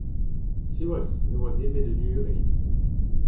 Siwazh, ne oa nemet un hunvre !